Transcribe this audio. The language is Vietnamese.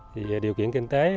thì điều kiện kinh tế